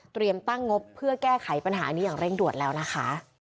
ตั้งงบเพื่อแก้ไขปัญหานี้อย่างเร่งด่วนแล้วนะคะ